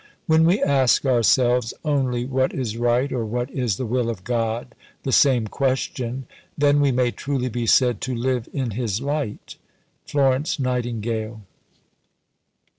When we ask ourselves only what is right, or what is the will of God (the same question), then we may truly be said to live in His light. FLORENCE NIGHTINGALE.